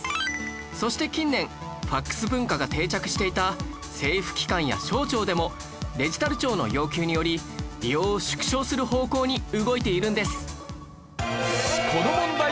そして近年ファクス文化が定着していた政府機関や省庁でもデジタル庁の要求により利用を縮小する方向に動いているんです